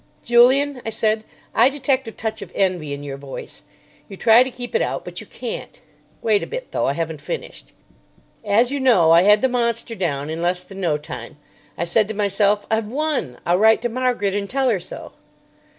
"Julian," I said, "I detect a touch of envy in your voice. You try to keep it out, but you can't. Wait a bit, though. I haven't finished. "As you know, I had the monster down in less than no time. I said to myself, 'I've won. I'll write to Margaret, and tell her so!